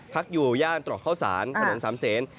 พักอยู่อย่างตระข้าวสารผนสำเซน